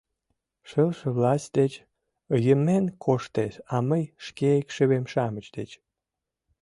— Шылше власть деч йымен коштеш, а мый — шке икшывем-шамыч деч.